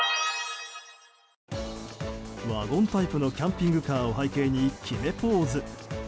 ワゴンタイプのキャンピングカーを背景に決めポーズ。